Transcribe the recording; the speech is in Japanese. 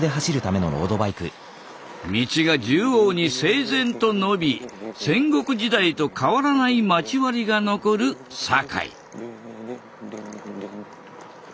道が縦横に整然とのび戦国時代と変わらない町割りが残る堺。